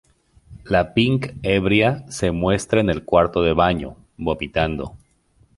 La Pink ebria se muestra en el cuarto de baño, vomitando.